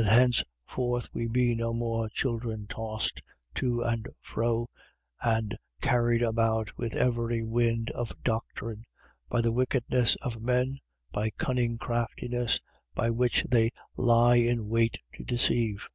That henceforth we be no more children tossed to and fro and carried about with every wind of doctrine, by the wickedness of men, by cunning craftiness by which they lie in wait to deceive.